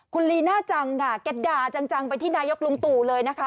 คุณลีน่าจังค่ะแกด่าจังไปที่นายกลุงตู่เลยนะคะ